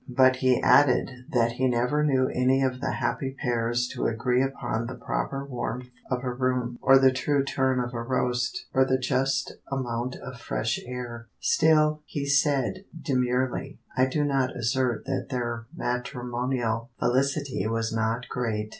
But he added that he never knew any of the happy pairs to agree upon the proper warmth of a room, or the true turn of a roast, or the just amount of fresh air. Still, he said, demurely, I do not assert that their matrimonial felicity was not great.